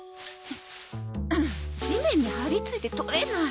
地面に張りついて取れない。